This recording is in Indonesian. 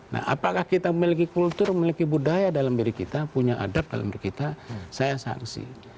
nah apakah kita memiliki kultur memiliki budaya dalam diri kita punya adab dalam diri kita saya sangsi